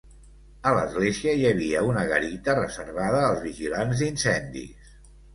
A l'església hi havia una garita reservada als vigilants d'incendis.